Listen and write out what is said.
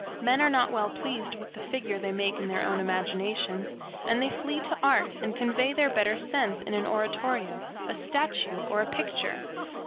Men are not well pleased with the figure they make in their own imaginations, and they flee to art, and convey their better sense in an oratorio, a statue, or a picture.